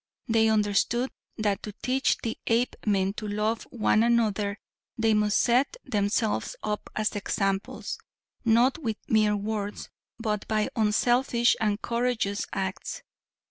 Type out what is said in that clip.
They understood that to teach the Apemen to love one another they must set themselves up as examples, not with mere words, but by unselfish and courageous acts.